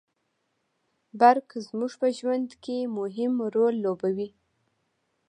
برق زموږ په ژوند کي مهم رول لوبوي